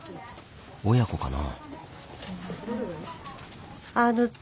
親子かな。